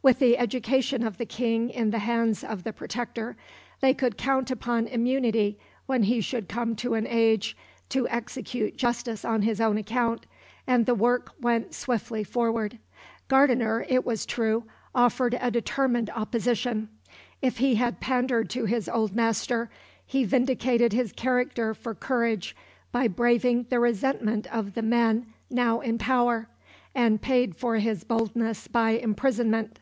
With the education of the King in the hands of the Protector, they could count upon immunity when he should come to an age to execute justice on his own account, and the work went swiftly forward. Gardiner, it was true, offered a determined opposition. If he had pandered to his old master, he vindicated his character for courage by braving the resentment of the men now in power, and paid for his boldness by imprisonment.